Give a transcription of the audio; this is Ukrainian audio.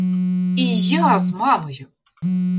І я з мамою!